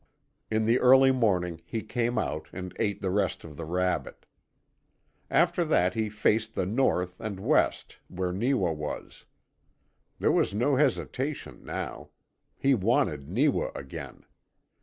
In the early morning he came out and ate the rest of the rabbit. After that he faced the north and west where Neewa was. There was no hesitation now. He wanted Neewa again.